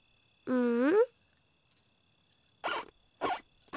うん？